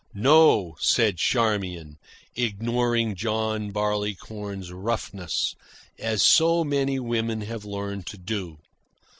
"No," said Charmian, ignoring John Barleycorn's roughness, as so many women have learned to do.